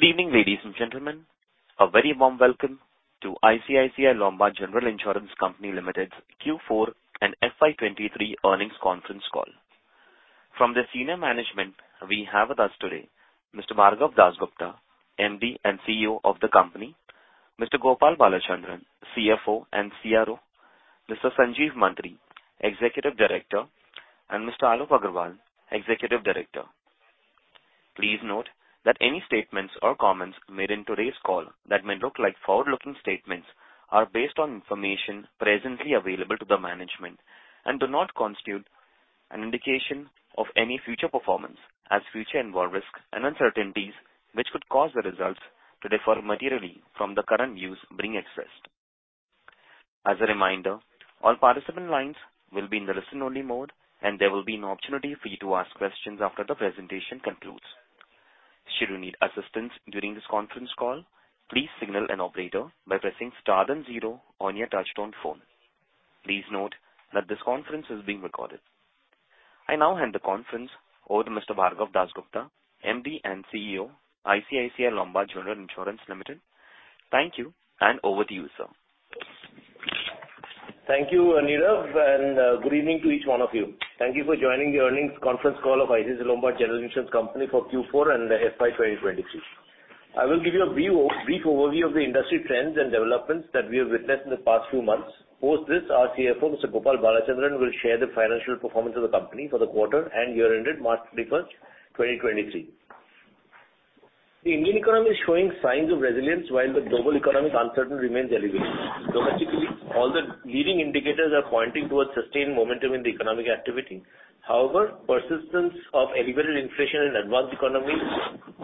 Good evening, ladies and gentlemen. A very warm welcome to ICICI Lombard General Insurance Company Limited's Q4 and FY 2023 earnings conference call. From the senior management we have with us today, Mr. Bhargav Dasgupta, MD and CEO of the company, Mr. Gopal Balachandran, CFO and CRO, Mr. Sanjeev Mantri, Executive Director, and Mr. Alok Agarwal, Executive Director. Please note that any statements or comments made in today's call that may look like forward-looking statements are based on information presently available to the management and do not constitute an indication of any future performance, as future involve risks and uncertainties which could cause the results to differ materially from the current views being expressed. As a reminder, all participant lines will be in the listen-only mode, and there will be an opportunity for you to ask questions after the presentation concludes. Should you need assistance during this conference call, please signal an operator by pressing star then zero on your touch-tone phone. Please note that this conference is being recorded. I now hand the conference over to Mr. Bhargav Dasgupta, MD and CEO, ICICI Lombard General Insurance Limited. Thank you, and over to you, sir. Thank you, Nirav, and good evening to each one of you. Thank you for joining the earnings conference call of ICICI Lombard General Insurance Company for Q4 and FY 2023. I will give you a brief overview of the industry trends and developments that we have witnessed in the past few months. Post this, our CFO, Mr. Gopal Balachandran, will share the financial performance of the company for the quarter and year-ended March 31, 2023. The Indian economy is showing signs of resilience while the global economic uncertainty remains elevated. Domestically, all the leading indicators are pointing towards sustained momentum in the economic activity. However, persistence of elevated inflation in advanced economies,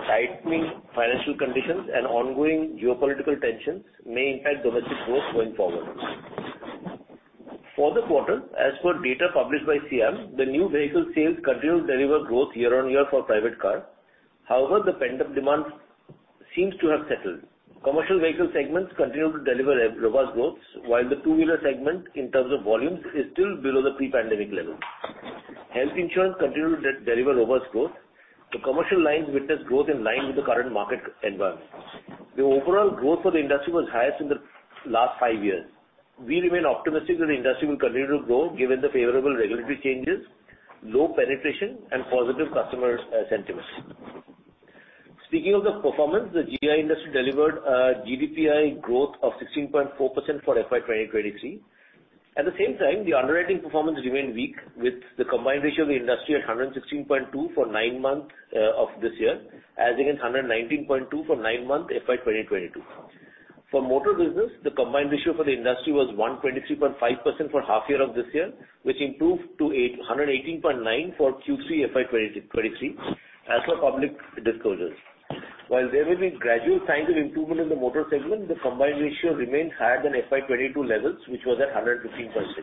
tightening financial conditions and ongoing geopolitical tensions may impact domestic growth going forward. For the quarter, as per data published by SIAM, the new vehicle sales continued to deliver growth year-over-year for private car. The pent-up demand seems to have settled. Commercial vehicle segments continued to deliver robust growth, while the two-wheeler segment in terms of volumes is still below the pre-pandemic level. Health insurance continued to de-deliver robust growth. The commercial lines witnessed growth in line with the current market environment. The overall growth for the industry was highest in the last five years. We remain optimistic that the industry will continue to grow given the favorable regulatory changes, low penetration and positive customer sentiments. Speaking of the performance, the GI industry delivered a GDPI growth of 16.4% for FY 2023. At the same time, the underwriting performance remained weak, with the combined ratio of the industry at 116.2 for nine months of this year, as against 119.2 for nine months FY 2022. For motor business, the combined ratio for the industry was 123.5% for half year of this year, which improved to 118.9 for Q3 FY 2023, as for public disclosures. While there have been gradual signs of improvement in the motor segment, the combined ratio remained higher than FY 2022 levels, which was at 115.6.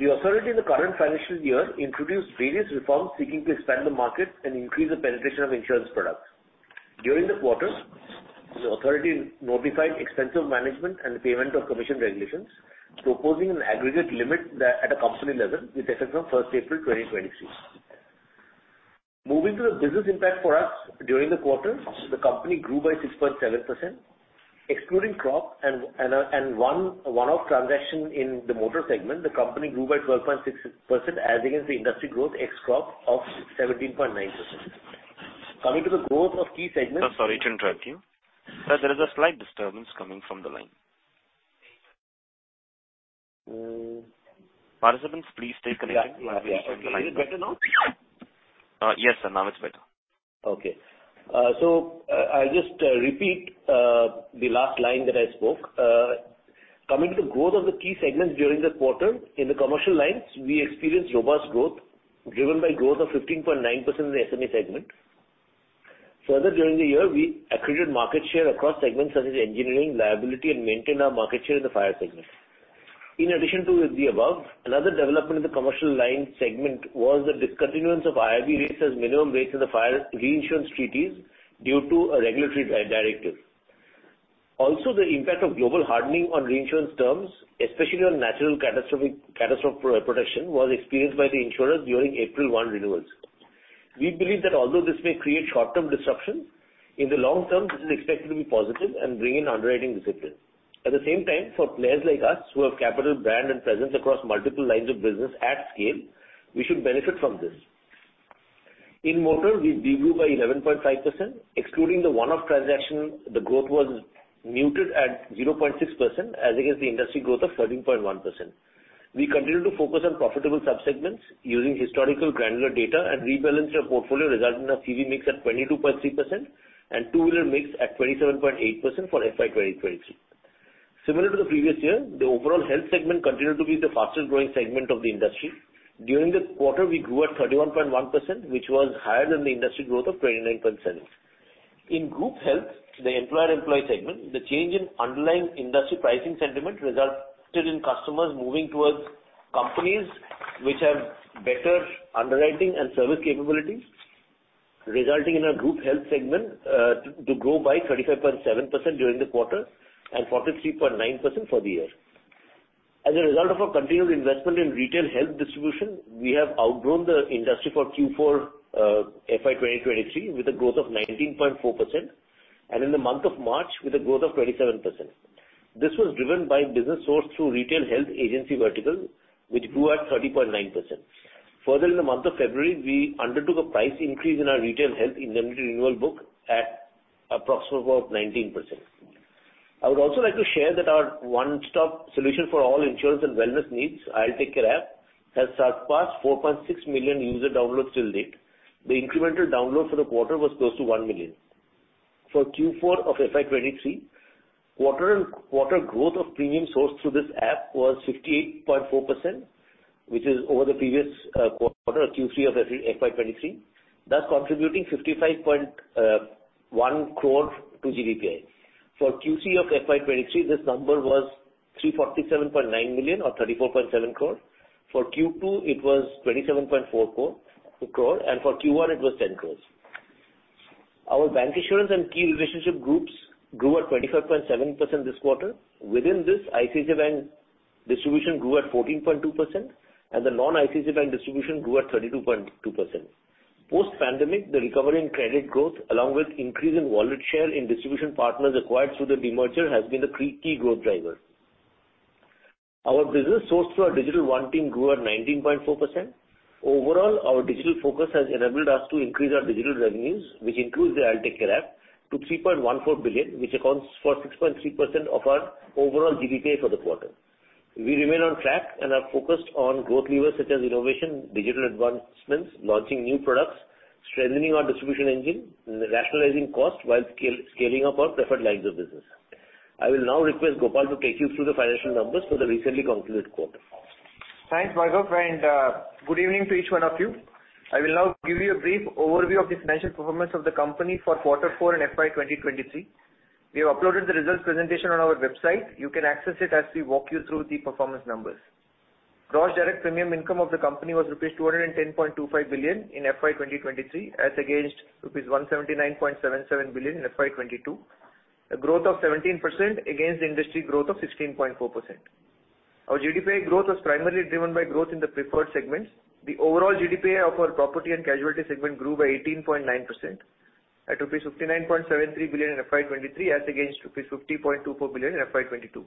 The authority in the current financial year introduced various reforms seeking to expand the market and increase the penetration of insurance products. During the quarter, the authority notified Expenses of Management and the Payment of Commission Regulations, proposing an aggregate limit at a company level with effect from April 1, 2023. Moving to the business impact for us during the quarter, the company grew by 6.7%. Excluding crop and a one-off transaction in the motor segment, the company grew by 12.6% as against the industry growth ex crop of 17.9%. Coming to the growth of key segments. Sir, sorry to interrupt you. Sir, there is a slight disturbance coming from the line. Uh- Participants, please stay connected. Yeah. Yeah. We are fixing the line. Is it better now? Yes, sir. Now it's better. Okay. I'll just repeat the last line that I spoke. Coming to the growth of the key segments during the quarter, in the commercial lines we experienced robust growth driven by growth of 15.9% in the SME segment. During the year, we accreted market share across segments such as engineering, liability, and maintained our market share in the fire segment. In addition to the above, another development in the commercial line segment was the discontinuance of IIB rates as minimum rates in the fire reinsurance treaties due to a regulatory directive. The impact of global hardening on reinsurance terms, especially on natural catastrophe protection, was experienced by the insurers during April 1 renewals. We believe that although this may create short-term disruption, in the long term this is expected to be positive and bring in underwriting discipline. At the same time, for players like us who have capital brand and presence across multiple lines of business at scale, we should benefit from this. In motor, we de-grew by 11.5%. Excluding the one-off transaction, the growth was muted at 0.6% as against the industry growth of 13.1%. We continue to focus on profitable subsegments using historical granular data and rebalance our portfolio, resulting in a CV mix at 22.3% and two-wheeler mix at 27.8% for FY 2023. Similar to the previous year, the overall health segment continued to be the fastest growing segment of the industry. During the quarter, we grew at 31.1%, which was higher than the industry growth of 29.7%. In Group Health, the employer-employee segment, the change in underlying industry pricing sentiment resulted in customers moving towards companies which have better underwriting and service capabilities, resulting in our Group Health segment to grow by 35.7% during the quarter and 43.9% for the year. As a result of our continued investment in Retail Health distribution, we have outgrown the industry for Q4 FY 2023 with a growth of 19.4%, and in the month of March with a growth of 27%. This was driven by business sourced through Retail Health agency vertical, which grew at 30.9%. Further, in the month of February, we undertook a price increase in our Retail Health indemnity renewal book at approximately 19%. I would also like to share that our one-stop solution for all insurance and wellness needs, IL TakeCare app, has surpassed 4.6 million user downloads till date. The incremental download for the quarter was close to 1 million. For Q4 of FY23, quarter growth of premium sourced through this app was 58.4%, which is over the previous quarter, Q3 of FY2023, thus contributing 55.1 crore to GDPA. For Q3 of FY2023, this number was 347.9 million or 34.7 crore. For Q2, it was 27.44 crore, and for Q1 it was 10 crore. Our bank insurance and key relationship groups grew at 25.7% this quarter. Within this, ICICI Bank distribution grew at 14.2%. The non-ICICI Bank distribution grew at 32.2%. Post-pandemic, the recovery in credit growth along with increase in wallet share in distribution partners acquired through the demerger has been a key growth driver. Our business sourced through our digital one team grew at 19.4%. Overall, our digital focus has enabled us to increase our digital revenues, which includes the IL TakeCare app, to 3.14 billion, which accounts for 6.3% of our overall GDPA for the quarter. We remain on track and are focused on growth levers such as innovation, digital advancements, launching new products, strengthening our distribution engine, rationalizing cost while scaling up our preferred lines of business. I will now request Gopal to take you through the financial numbers for the recently concluded quarter. Thanks, Bhargav, good evening to each one of you. I will now give you a brief overview of the financial performance of the company for quarter four and FY 2023. We have uploaded the results presentation on our website. You can access it as we walk you through the performance numbers. Gross direct premium income of the company was rupees 210.25 billion in FY 2023 as against rupees 179.77 billion in FY 2022, a growth of 17% against the industry growth of 16.4%. Our GDPA growth was primarily driven by growth in the preferred segments. The overall GDPA of our property and casualty segment grew by 18.9% at rupees 59.73 billion in FY 2023 as against rupees 50.24 billion in FY 2022.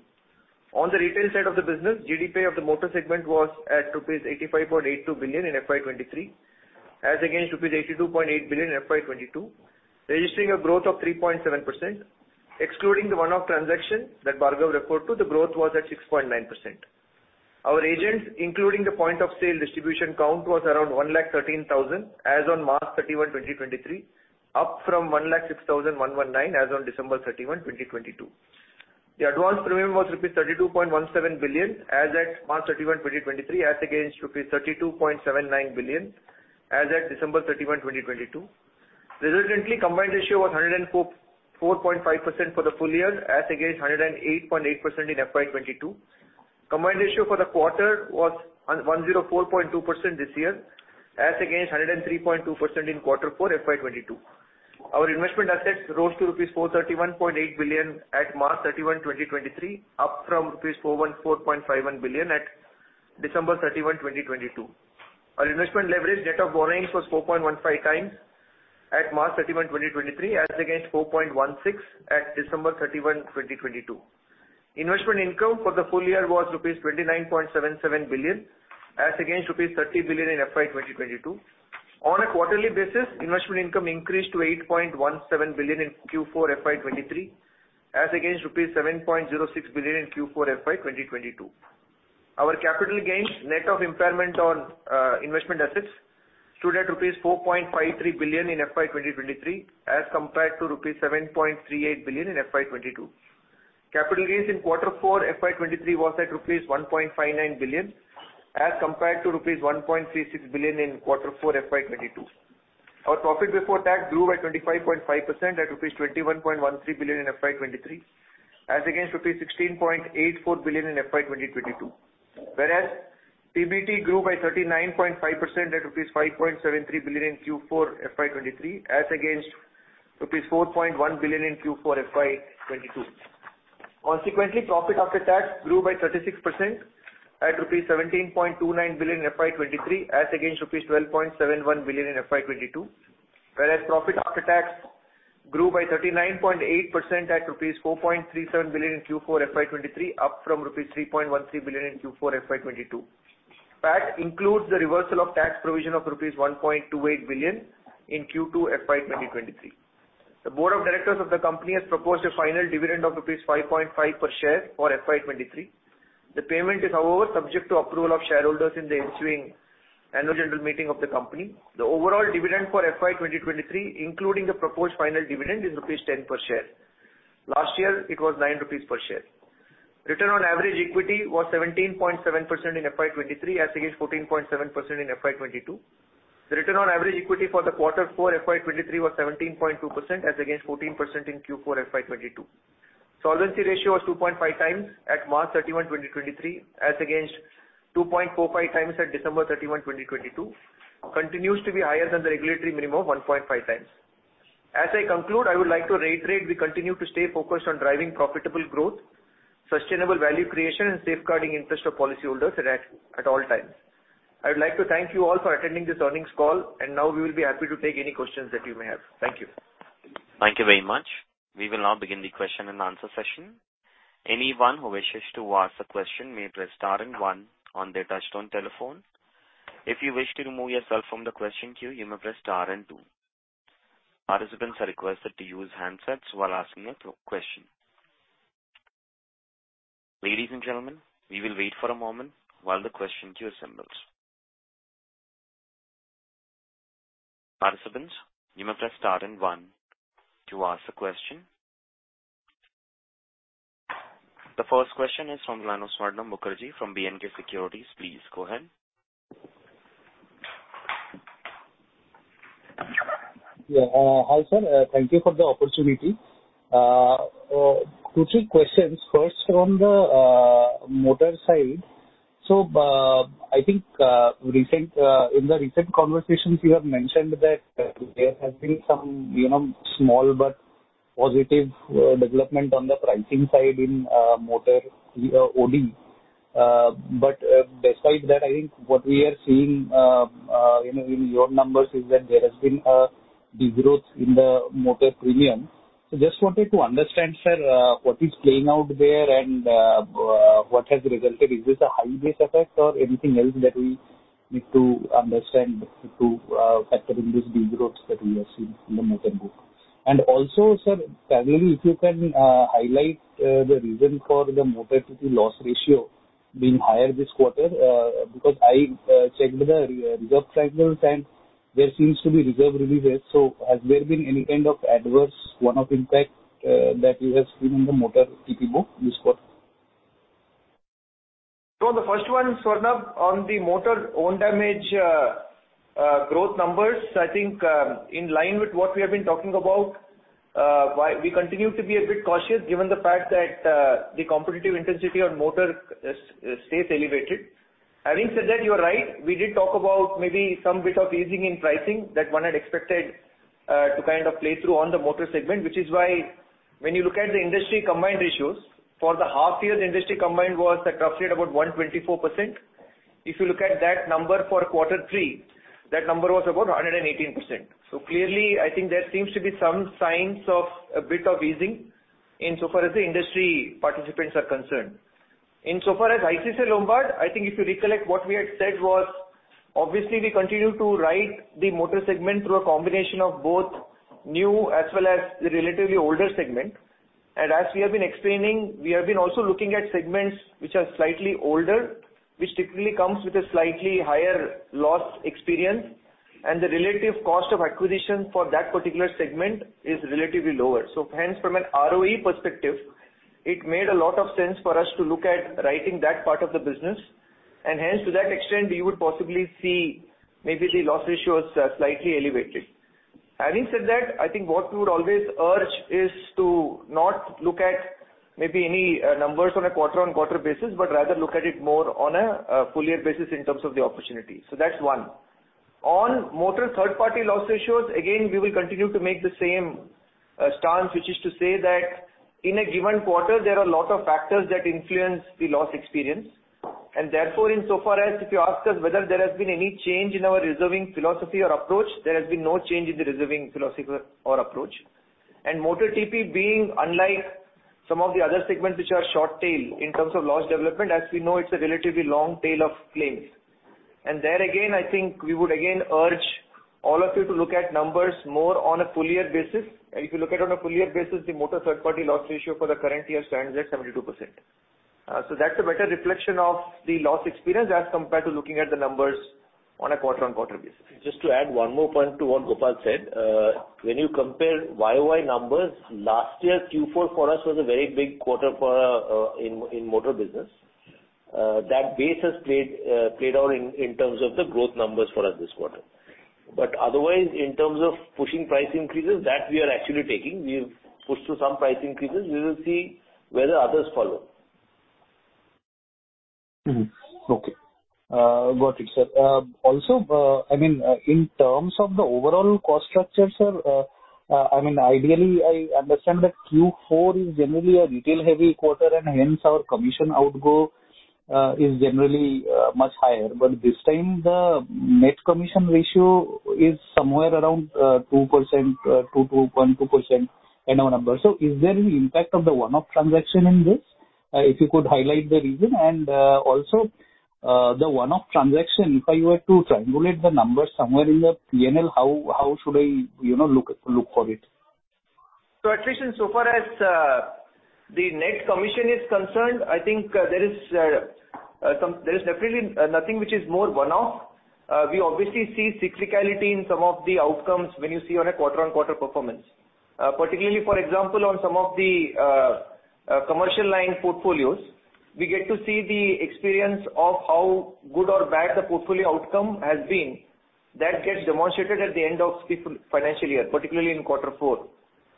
On the retail side of the business, GDPA of the motor segment was at rupees 85.82 billion in FY 2023, as against rupees 82.8 billion in FY 2022, registering a growth of 3.7%. Excluding the one-off transaction that Bhargav referred to, the growth was at 6.9%. Our agents, including the Point of Sales distribution count, was around 1 lakh 13,000 as on March 31, 2023, up from 1 lakh 6,119 as on December 31, 2022. The advance premium was rupees 32.17 billion as at March 31, 2023, as against rupees 32.79 billion as at December 31, 2022. Resultantly, combined ratio was 104.5% for the full year as against 108.8% in FY 2022. Combined ratio for the quarter was 104.2% this year as against 103.2% in quarter four FY 2022. Our investment assets rose to rupees 431.8 billion at March 31, 2023, up from rupees 414.51 billion at December 31, 2022. Our investment leverage net of borrowings was 4.15x at March 31, 2023, as against 4.16x at December 31, 2022. Investment income for the full year was rupees 29.77 billion as against rupees 30 billion in FY 2022. On a quarterly basis, investment income increased to 8.17 billion in Q4 FY 2023 as against rupees 7.06 billion in Q4 FY 2022. Our capital gains, net of impairment on investment assets, stood at rupees 4.53 billion in FY 2023 as compared to rupees 7.38 billion in FY2022. Capital gains in quarter four FY 2023 was at rupees 1.59 billion as compared to rupees 1.36 billion in quarter four FY2022. Our profit before tax grew by 25.5% at rupees 21.13 billion in FY 2023 as against rupees 16.84 billion in FY 2022. PBT grew by 39.5% at rupees 5.73 billion in Q4 FY 2023 as against rupees 4.1 billion in Q4 FY2022. Consequently, profit after tax grew by 36% at rupees 17.29 billion in FY 2023 as against rupees 12.71 billion in FY 2022. Profit after tax grew by 39.8% at rupees 4.37 billion in Q4 FY 2023, up from rupees 3.13 billion in Q4 FY 2022. PAT includes the reversal of tax provision of rupees 1.28 billion in Q2 FY 2023. The Board of Directors of the company has proposed a final dividend of rupees 5.5 per share for FY 2023. The payment is, however, subject to approval of shareholders in the ensuing annual general meeting of the company. The overall dividend for FY 2023, including the proposed final dividend, is rupees 10 per share. Last year, it was 9 rupees per share. Return on average equity was 17.7% in FY2023 as against 14.7% in FY2022. The return on average equity for the Q4 FY2023 was 17.2% as against 14% in Q4 FY22. Solvency ratio was 2.5x at March 31, 2023, as against 2.45x at December 31, 2022. Continues to be higher than the regulatory minimum of 1.5x. As I conclude, I would like to reiterate, we continue to stay focused on driving profitable growth, sustainable value creation, and safeguarding interest of policyholders at all times. I would like to thank you all for attending this earnings call. Now we will be happy to take any questions that you may have. Thank you. Thank you very much. We will now begin the question and answer session. Anyone who wishes to ask a question may press star one on their touch-tone telephone. If you wish to remove yourself from the question queue, you may press star two. Participants are requested to use handsets while asking a question. Ladies and gentlemen, we will wait for a moment while the question queue assembles. Participants, you may press star one to ask a question. The first question is from line of Swarnabha Mukherjee from B&K Securities. Please go ahead. Yeah. Hi, sir. Thank you for the opportunity. Two, three questions, first from the motor side. I think in the recent conversations you have mentioned that there has been some, you know, small but positive development on the pricing side in motor OD. Despite that, I think what we are seeing, you know, in your numbers is that there has been a degrowth in the motor premium. Just wanted to understand, sir, what is playing out there and what has resulted. Is this a high base effect or anything else that we need to understand to factor in these degrowths that we have seen in the motor group? Also, sir, probably if you can highlight the reason for the motor TP loss ratio being higher this quarter, because I checked the re-reserve cycles and there seems to be reserve release. Has there been any kind of adverse one-off impact that you have seen in the motor TP book this quarter? The first one, Swarnabha, on the motor own damage growth numbers, I think, in line with what we have been talking about, why we continue to be a bit cautious given the fact that the competitive intensity on motor stays elevated. Having said that, you are right, we did talk about maybe some bit of easing in pricing that one had expected to kind of play through on the motor segment, which is why when you look at the industry combined ratios for the half year, the industry combined was roughly at about 124%. If you look at that number for quarter three, that number was about 118%. Clearly, I think there seems to be some signs of a bit of easing in so far as the industry participants are concerned. In so far as ICICI Lombard, I think if you recollect, what we had said was obviously we continue to write the motor segment through a combination of both new as well as the relatively older segment. As we have been explaining, we have been also looking at segments which are slightly older, which typically comes with a slightly higher loss experience, and the relative cost of acquisition for that particular segment is relatively lower. Hence, from an ROE perspective, it made a lot of sense for us to look at writing that part of the business, and hence to that extent we would possibly see maybe the loss ratios, slightly elevating. Having said that, I think what we would always urge is to not look at maybe any numbers on a quarter-on-quarter basis, but rather look at it more on a full year basis in terms of the opportunity. That's one. On motor Third-Party loss ratios, again, we will continue to make the same stance, which is to say that in a given quarter there are a lot of factors that influence the loss experience. Therefore, in so far as if you ask us whether there has been any change in our reserving philosophy or approach, there has been no change in the reserving philosophy or approach. Motor TP being unlike some of the other segments which are short tail in terms of loss development, as we know, it's a relatively long tail of claims. There again, I think we would again urge all of you to look at numbers more on a full year basis. If you look at it on a full year basis, the motor third party loss ratio for the current year stands at 72%. That's a better reflection of the loss experience as compared to looking at the numbers on a quarter-on-quarter basis. Just to add one more point to what Gopal said. When you compare YOY numbers, last year Q4 for us was a very big quarter for in motor business. That base has played out in terms of the growth numbers for us this quarter. Otherwise, in terms of pushing price increases, that we are actually taking. We've pushed through some price increases. We will see whether others follow. Mm-hmm. Okay. got it, sir. also, I mean, in terms of the overall cost structure, sir, I mean, ideally, I understand that Q4 is generally a retail heavy quarter and hence our commission outgo is generally much higher. This time the net commission ratio is somewhere around 2%, 2.2% in our numbers. Is there any impact of the one-off transaction in this? if you could highlight the reason and also the one-off transaction, if I were to triangulate the numbers somewhere in the PNL how should I, you know, look for it? Tristan, so far as the net commission is concerned, I think there is definitely nothing which is more one-off. We obviously see cyclicality in some of the outcomes when you see on a quarter-on-quarter performance. Particularly for example on some of the commercial line portfolios, we get to see the experience of how good or bad the portfolio outcome has been. That gets demonstrated at the end of financial year, particularly in quarter four.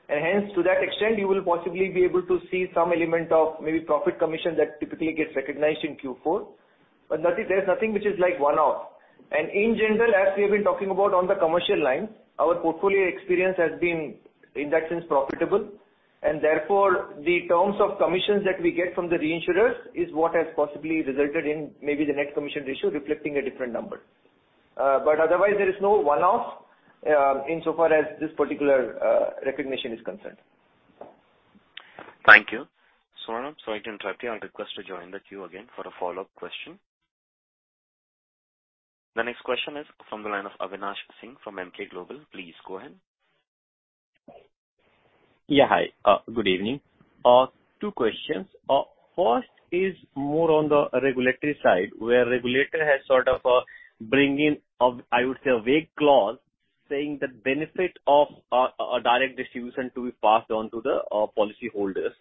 Hence, to that extent, you will possibly be able to see some element of maybe profit commission that typically gets recognized in Q4. There's nothing which is like one-off. In general, as we have been talking about on the commercial line, our portfolio experience has been, in that sense, profitable. Therefore, the terms of commissions that we get from the reinsurers is what has possibly resulted in maybe the net commission ratio reflecting a different number. But otherwise there is no one-off insofar as this particular recognition is concerned. Thank you. Swarnabha, sorry to interrupt you. I request to join the queue again for a follow-up question. The next question is from the line of Avinash Singh from Emkay Global. Please go ahead. Hi. Good evening. Two questions. First is more on the regulatory side, where regulator has sort of bring in, I would say a vague clause saying that benefit of a direct distribution to be passed on to the policyholders.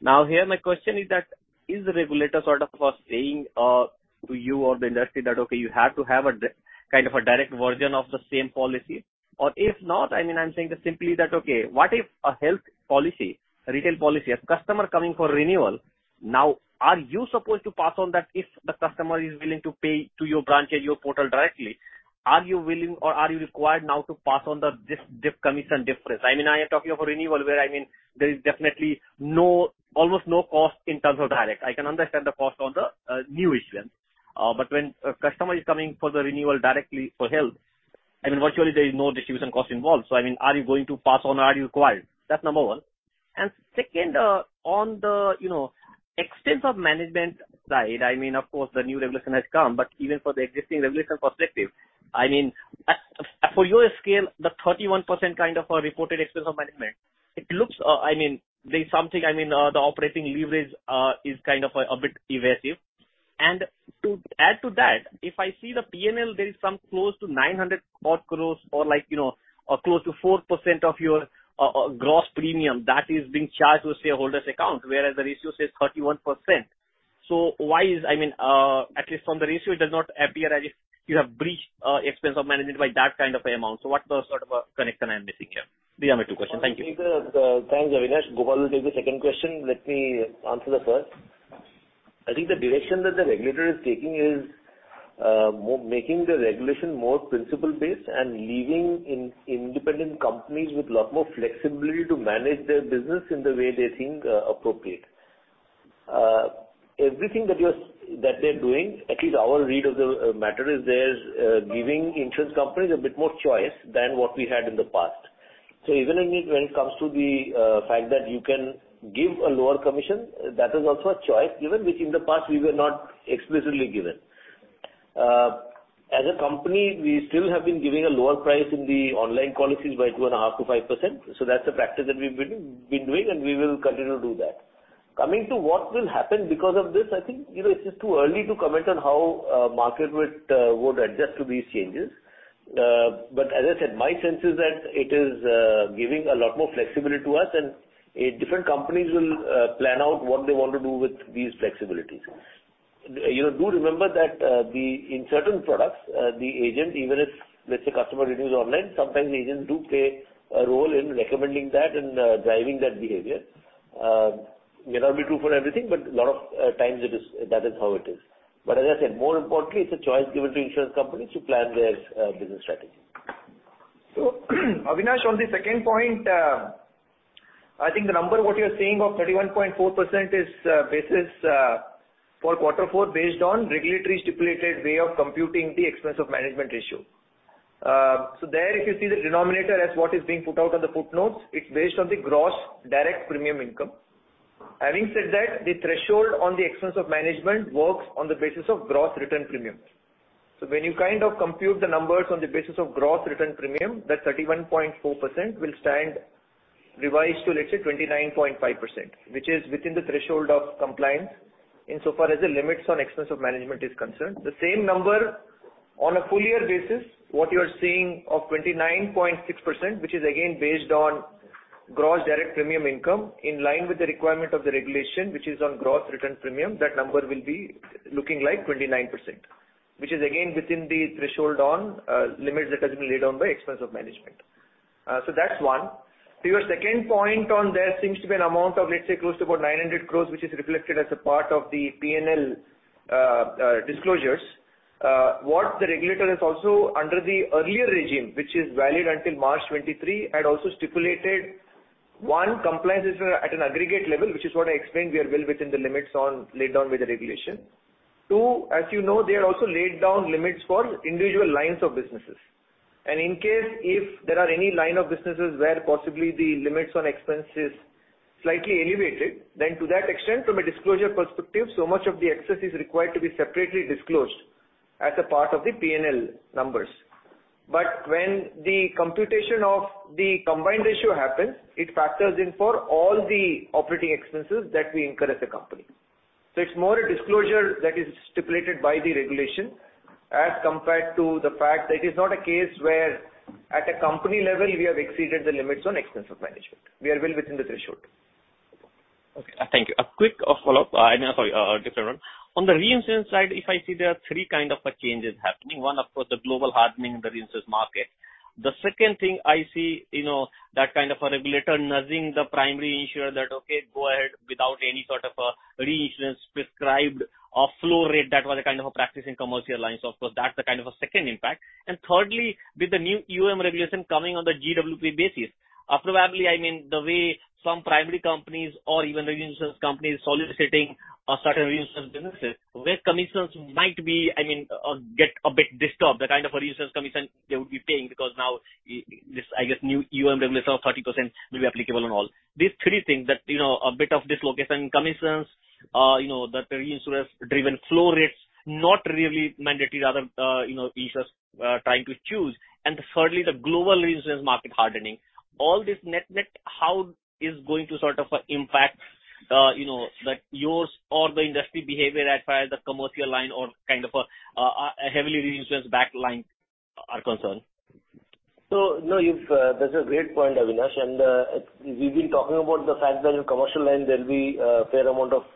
Now here my question is that is the regulator sort of saying to you or the industry that, okay, you have to have a kind of a direct version of the same policy? If not, I mean, I'm saying just simply that, okay, what if a health policy, a retail policy, a customer coming for renewal, now are you supposed to pass on that if the customer is willing to pay to your branch and your portal directly, are you willing or are you required now to pass on the commission difference? I mean, I am talking of a renewal where, I mean, there is definitely no, almost no cost in terms of direct. I can understand the cost on the new issuance. But when a customer is coming for the renewal directly for health, I mean, virtually there is no distribution cost involved. Are you going to pass on or are you required? That's number one. Second, on the, you know, Expenses of Management side, I mean, of course, the new regulation has come, but even for the existing regulation perspective, I mean, at for your scale, the 31% kind of a reported Expenses of Management, it looks, I mean, there's something, I mean, the operating leverage is kind of a bit elusive. To add to that, if I see the P&L, there is some close to 900 crore or like, you know, or close to 4% of your gross premium that is being charged to a shareholder's account, whereas the ratio says 31%. Why is, I mean, at least from the ratio, it does not appear as if you have breached Expenses of Management by that kind of an amount. What, sort of a connection I'm missing here? These are my two questions. Thank you. Thanks, Avinash. Gopal will take the second question. Let me answer the first. I think the direction that the regulator is taking is making the regulation more principle-based and leaving independent companies with lot more flexibility to manage their business in the way they think appropriate. Everything that he was, that they're doing, at least our read of the matter is they're giving insurance companies a bit more choice than what we had in the past. Even, I mean, when it comes to the fact that you can give a lower commission, that is also a choice given, which in the past we were not explicitly given. As a company, we still have been giving a lower price in the online policies by 2.5%-5%. That's the practice that we've been doing, and we will continue to do that. Coming to what will happen because of this, I think, you know, it's just too early to comment on how market would adjust to these changes. As I said, my sense is that it is giving a lot more flexibility to us and different companies will plan out what they want to do with these flexibilities. You know, do remember that the in certain products, the agent, even if, let's say customer renews online, sometimes agents do play a role in recommending that and driving that behavior. May not be true for everything, but a lot of times it is, that is how it is. As I said, more importantly, it's a choice given to insurance companies to plan their business strategy. Avinash, on the second point, I think the number what you're saying of 31.4% is basis for quarter four based on regulatory stipulated way of computing the Expenses of Management ratio. There if you see the denominator as what is being put out on the footnotes, it's based on the gross direct premium income. Having said that, the threshold on the Expenses of Management works on the basis of gross written premium. When you kind of compute the numbers on the basis of gross written premium, that 31.4% will stand revised to, let's say, 29.5%, which is within the threshold of compliance insofar as the limits on Expenses of Management is concerned. The same number on a full year basis, what you are seeing of 29.6%, which is again based on gross direct premium income in line with the requirement of the regulation, which is on gross written premium, that number will be looking like 29%, which is again within the threshold on limits that has been laid down by Expenses of Management. That's one. To your second point on there seems to be an amount of, let's say, close to about 900 crores, which is reflected as a part of the P&L disclosures. What the regulator has also under the earlier regime, which is valid until March 2023, had also stipulated, one, compliance is at an aggregate level, which is what I explained, we are well within the limits on laid down by the regulation. Two, as you know, they had also laid down limits for individual lines of businesses. In case if there are any line of businesses where possibly the limits on expense is slightly elevated, then to that extent from a disclosure perspective, so much of the excess is required to be separately disclosed as a part of the P&L numbers. When the computation of the combined ratio happens, it factors in for all the operating expenses that we incur as a company. It's more a disclosure that is stipulated by the regulation as compared to the fact that it is not a case where at a company level we have exceeded the limits on Expenses of Management. We are well within the threshold. Okay. Thank you. A quick, follow-up. I mean, sorry, a different one. On the reinsurance side, if I see there are three kind of, changes happening. One, of course, the global hardening in the reinsurance market. The second thing I see, you know, that kind of a regulator nudging the primary insurer that, "Okay, go ahead without any sort of a reinsurance prescribed or flow rate." That was a kind of a practice in commercial lines. Of course, that's a kind of a second impact. Thirdly, with the new EOMM regulation coming on the GWP basis, probably, I mean, the way some primary companies or even reinsurance companies soliciting, certain reinsurance businesses where commissions might be, I mean, get a bit disturbed, the kind of a reinsurance commission they would be paying because now this, I guess, new EOM regulation of 30% will be applicable on all. These three things that, you know, a bit of dislocation commissions, you know, that the reinsurers-driven flow rates not really mandatory rather, you know, insurers, trying to choose. Thirdly, the global reinsurance market hardening. All this net-net, how is going to sort of, impact, you know, like yours or the industry behavior as far as the commercial line or kind of a heavily reinsurance back line are concerned? No, that's a great point, Avinash. We've been talking about the fact that in commercial line there'll be a fair amount of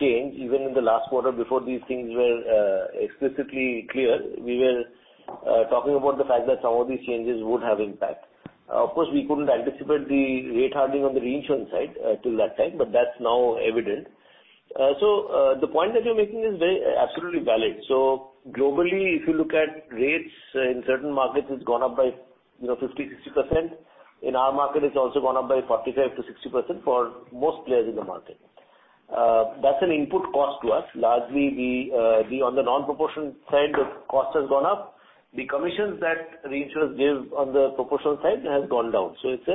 change. Even in the last quarter before these things were explicitly clear, we were talking about the fact that some of these changes would have impact. Of course, we couldn't anticipate the rate hardening on the reinsurance side till that time, but that's now evident. The point that you're making is very, absolutely valid. Globally, if you look at rates in certain markets, it's gone up by, you know, 50%, 60%. In our market, it's also gone up by 45%-60% for most players in the market. That's an input cost to us. Largely, the on the non-proportion side, the cost has gone up. The commissions that reinsurers give on the proportional side has gone down. It's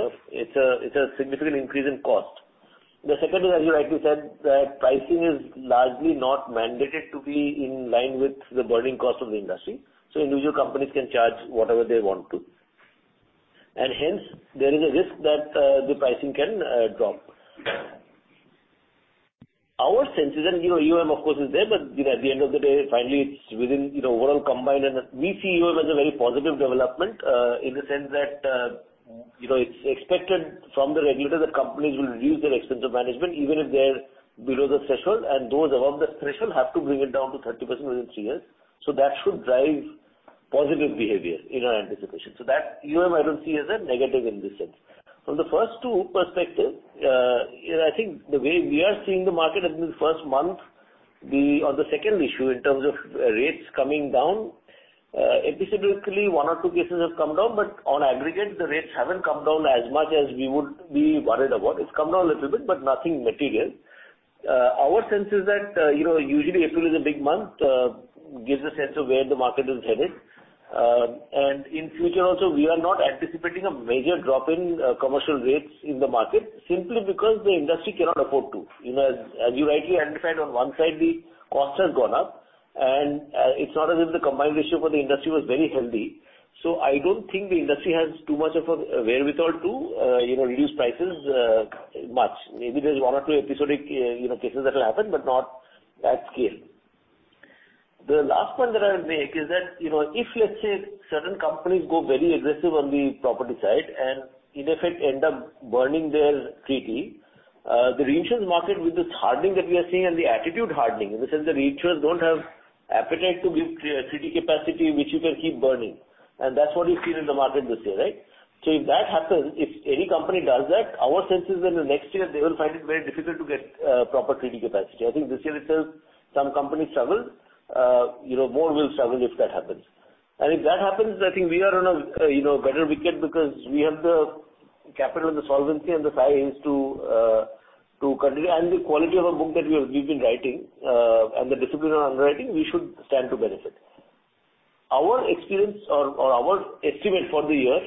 a significant increase in cost. The second is, as you rightly said, that pricing is largely not mandated to be in line with the burning cost of the industry. Individual companies can charge whatever they want to. Hence, there is a risk that the pricing can drop. Our sense is, and, you know, UM of course is there, but, you know, at the end of the day, finally it's within, you know, overall combined and we see UM as a very positive development, in the sense that, you know, it's expected from the regulators that companies will reduce their Expenses of Management, even if they're below the threshold, and those above the threshold have to bring it down to 30% within three years. That should drive positive behavior in our anticipation. That I don't see as a negative in this sense. From the first two perspective, you know, I think the way we are seeing the market at this first month, on the second issue in terms of rates coming down, episodically one or two cases have come down, but on aggregate the rates haven't come down as much as we would be worried about. It's come down a little bit, but nothing material. Our sense is that, you know, usually April is a big month, gives a sense of where the market is headed. In future also, we are not anticipating a major drop in commercial rates in the market simply because the industry cannot afford to. You know, as you rightly identified on one side, the cost has gone up and it's not as if the combined ratio for the industry was very healthy. I don't think the industry has too much of a wherewithal to, you know, reduce prices much. Maybe there's one or two episodic, you know, cases that'll happen, but not at scale. The last point that I will make is that, you know, if let's say certain companies go very aggressive on the property side and in effect end up burning their treaty, the reinsurance market with this hardening that we are seeing and the attitude hardening, in the sense the reinsurers don't have appetite to give treaty capacity which you can keep burning. That's what you've seen in the market this year, right? If that happens, if any company does that, our sense is in the next year they will find it very difficult to get proper treaty capacity. I think this year itself some companies struggled. You know, more will struggle if that happens. If that happens, I think we are on a, you know, better wicket because we have the capital and the solvency and the size to continue. The quality of a book that we have, we've been writing, and the discipline on underwriting, we should stand to benefit. Our experience or our estimate for the year,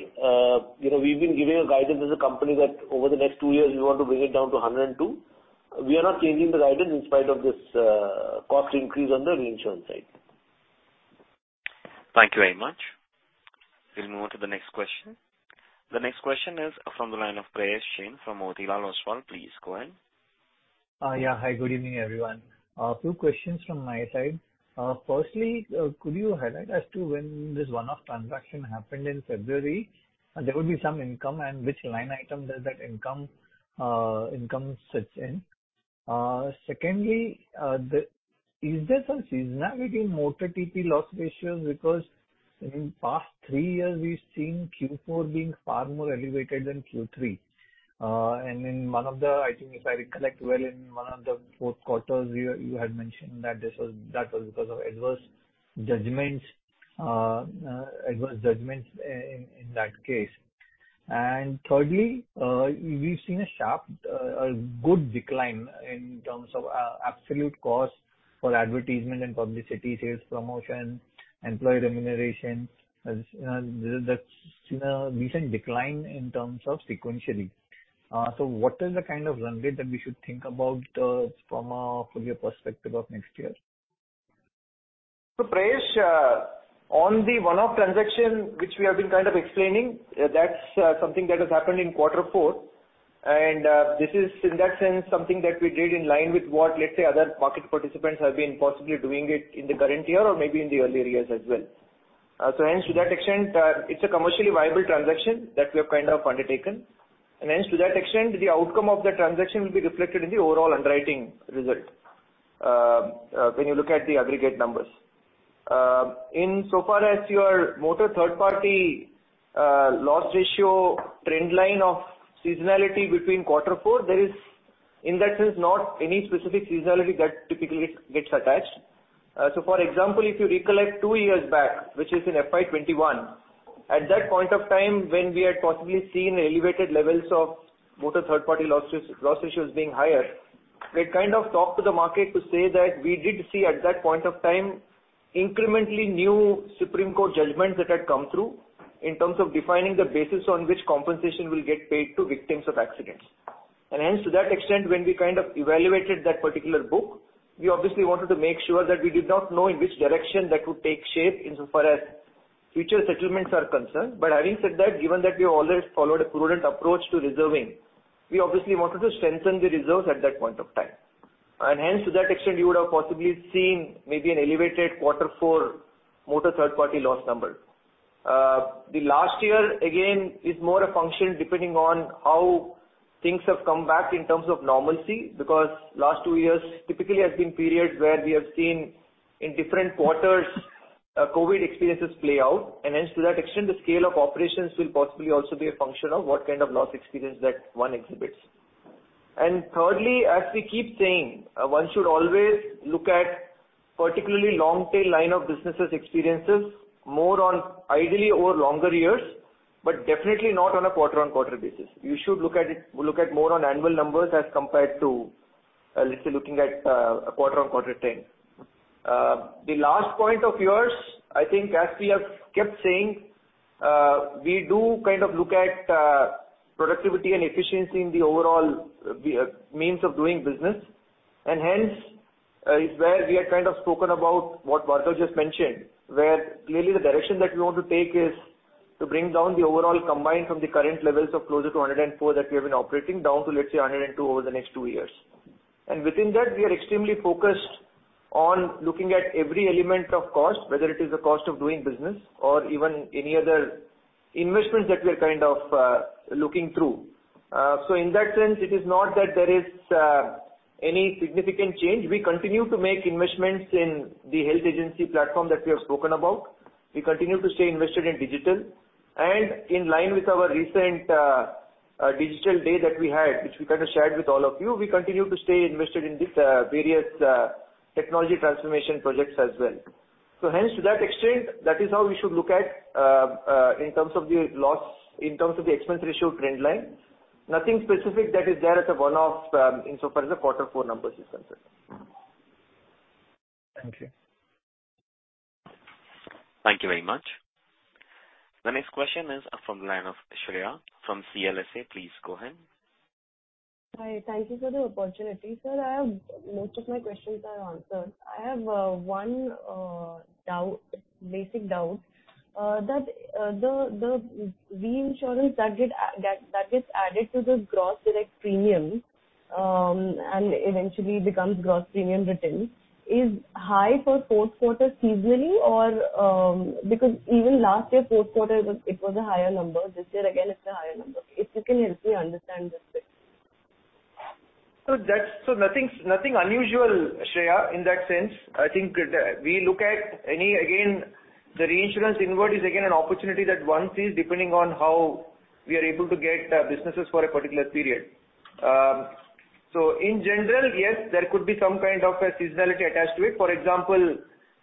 you know, we've been giving a guidance as a company that over the next two years we want to bring it down to 102. We are not changing the guidance in spite of this cost increase on the reinsurance side. Thank you very much. We'll move on to the next question. The next question is from the line of Prayesh Jain from Motilal Oswal. Please go ahead. Yeah. Hi, good evening, everyone. A few questions from my side. Firstly, could you highlight as to when this one-off transaction happened in February? There would be some income and which line item does that income sits in? Secondly, is there some seasonality in motor TP loss ratios? In past three years, we've seen Q4 being far more elevated than Q3. In one of the, I think if I recollect well, in one of the fourth quarters you had mentioned that this was because of adverse judgments in that case. Thirdly, we've seen a sharp, a good decline in terms of absolute cost for advertisement and publicity, sales promotion, employee remuneration. That's, you know, recent decline in terms of sequentially. What is the kind of run rate that we should think about, from a full year perspective of next year? Prayesh, on the one-off transaction which we have been kind of explaining, that's something that has happened in quarter four. This is in that sense something that we did in line with what, let's say, other market participants have been possibly doing it in the current year or maybe in the earlier years as well. Hence to that extent, it's a commercially viable transaction that we have kind of undertaken. Hence to that extent, the outcome of the transaction will be reflected in the overall underwriting result, when you look at the aggregate numbers. In so far as your motor third party, loss ratio trend line of seasonality between quarter four, there is in that sense not any specific seasonality that typically gets attached. For example, if you recollect two years back, which is in FY 2021, at that point of time when we had possibly seen elevated levels of motor Third Party loss ratios being higher, we had kind of talked to the market to say that we did see at that point of time incrementally new Supreme Court judgments that had come through in terms of defining the basis on which compensation will get paid to victims of accidents. Hence, to that extent, when we kind of evaluated that particular book, we obviously wanted to make sure that we did not know in which direction that would take shape in so far as future settlements are concerned. Having said that, given that we have always followed a prudent approach to reserving, we obviously wanted to strengthen the reserves at that point of time. To that extent, you would have possibly seen maybe an elevated quarter four motor third party loss number. The last year again is more a function depending on how things have come back in terms of normalcy, because last two years typically has been periods where we have seen in different quarters, COVID experiences play out. To that extent, the scale of operations will possibly also be a function of what kind of loss experience that one exhibits. Thirdly, as we keep saying, one should always look at particularly long tail line of businesses experiences more on ideally over longer years, but definitely not on a quarter on quarter basis. You should look at more on annual numbers as compared to, let's say, looking at a quarter on quarter trend. The last point of yours, I think as we have kept saying, we do kind of look at productivity and efficiency in the overall the means of doing business. Hence, is where we have kind of spoken about what Bhargav just mentioned, where clearly the direction that we want to take is to bring down the overall combined from the current levels of closer to 104 that we have been operating down to, let's say 102 over the next two years. Within that, we are extremely focused on looking at every element of cost, whether it is the cost of doing business or even any other investments that we are kind of looking through. In that sense, it is not that there is any significant change. We continue to make investments in the health agency platform that we have spoken about. We continue to stay invested in digital and in line with our recent, digital day that we had, which we kind of shared with all of you. We continue to stay invested in this, various, technology transformation projects as well. Hence to that extent, that is how we should look at, in terms of the loss, in terms of the expense ratio trend line. Nothing specific that is there as a one-off, in so far as the quarter four numbers is concerned. Thank you. Thank you very much. The next question is from the line of Shreya from CLSA. Please go ahead. Hi, thank you for the opportunity. Sir, I have most of my questions are answered. I have one doubt, basic doubt, that the reinsurance that gets added to the gross direct premium, and eventually becomes gross premium retained is high for fourth quarter seasonally or because even last year fourth quarter it was a higher number. This year again it's a higher number. If you can help me understand this bit? Nothing, nothing unusual, Shreya, in that sense. I think that we look at again, the reinsurance inward is again an opportunity that one sees depending on how we are able to get businesses for a particular period. In general, yes, there could be some kind of a seasonality attached to it. For example,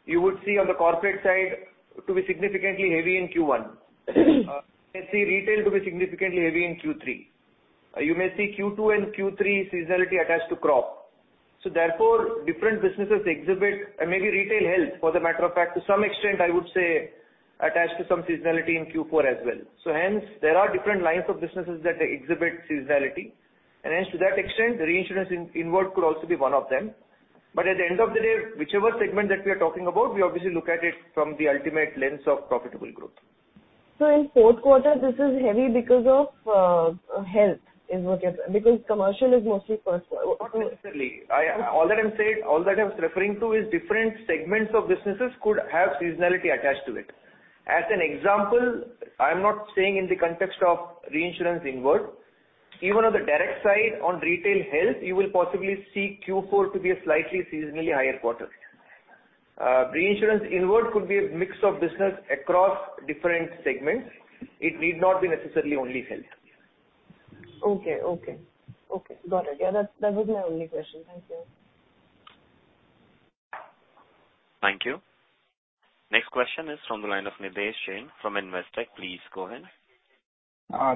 you would see on the corporate side to be significantly heavy in Q1. You may see retail to be significantly heavy in Q3. You may see Q2 and Q3 seasonality attached to crop. Therefore, different businesses exhibit and maybe retail health for the matter of fact, to some extent I would say attached to some seasonality in Q4 as well. Hence, there are different lines of businesses that exhibit seasonality. Hence to that extent, the reinsurance inward could also be one of them. At the end of the day, whichever segment that we are talking about, we obviously look at it from the ultimate lens of profitable growth. In fourth quarter this is heavy because of health is what you're saying, because commercial is mostly first quarter. Not necessarily. All that I was referring to is different segments of businesses could have seasonality attached to it. As an example, I'm not saying in the context of reinsurance inward. Even on the direct side on retail health, you will possibly see Q4 to be a slightly seasonally higher quarter. Reinsurance inward could be a mix of business across different segments. It need not be necessarily only health. Okay. Okay. Okay. Got it. Yeah, that's, that was my only question. Thank you. Thank you. Next question is from the line of Nidhesh Jain from Investec. Please go ahead.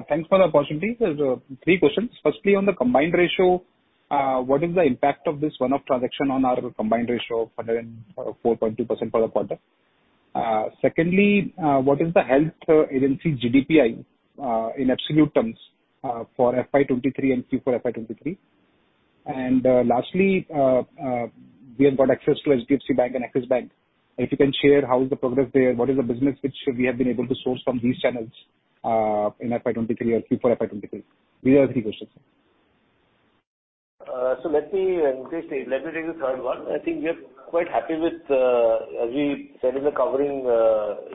Thanks for the opportunity. There's three questions. Firstly, on the combined ratio, what is the impact of this one-off transaction on our combined ratio of 104.2% for the quarter? Secondly, what is the health agency GDPI, in absolute terms, for FY2023 and Q4 FY2023? Lastly, we have got access to HDFC Bank and Axis Bank. If you can share how is the progress there? What is the business which we have been able to source from these channels, in FY2023 or Q4 FY2023? These are three questions. Let me, let me take the third one. I think we are quite happy with, as we said in the covering,